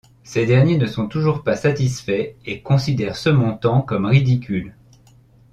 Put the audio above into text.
Ces derniers ne sont toujours pas satisfaits et considèrent ce montant comme ridicule.